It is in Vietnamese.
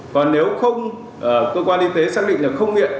còn nếu không cơ quan y tế xác định là không nghiện